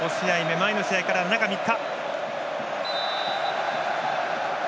前の試合から中３日。